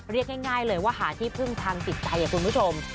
เรียกง่ายเลยว่าหาที่พึ่งทางจิตใจคุณผู้ชม